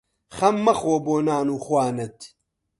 خەم مەخۆ بۆ نان و خوانت